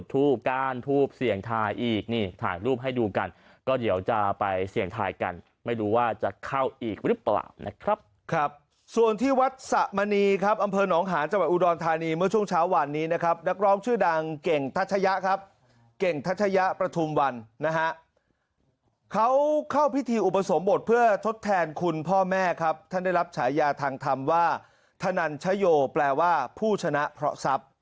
ทูปก้านทูปเสียงทายอีกนี่ถ่ายรูปให้ดูกันก็เดี๋ยวจะไปเสียงทายกันไม่รู้ว่าจะเข้าอีกหรือเปล่านะครับครับส่วนที่วัดสะมณีครับอำเภอหนองหาจังหวัดอุดรทานีเมื่อช่วงเช้าวันนี้นะครับนักร้องชื่อดังเก่งทัชยะครับเก่งทัชยะประทุมวันนะฮะเขาเข้าพิธีอุปสรมบทเพื่อทดแทนคุณพ่อแม่ครั